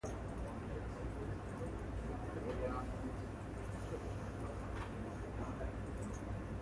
A line of "Tenko" toys was produced by Mattel.